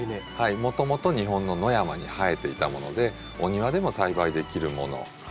もともと日本の野山に生えていたものでお庭でも栽培できるもの。